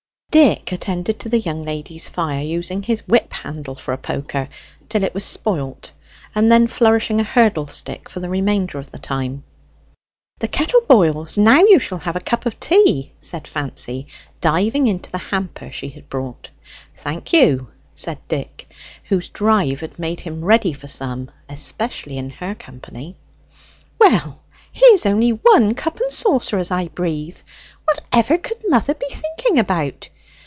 Dick attended to the young lady's fire, using his whip handle for a poker till it was spoilt, and then flourishing a hurdle stick for the remainder of the time. "The kettle boils; now you shall have a cup of tea," said Fancy, diving into the hamper she had brought. "Thank you," said Dick, whose drive had made him ready for some, especially in her company. "Well, here's only one cup and saucer, as I breathe! Whatever could mother be thinking about?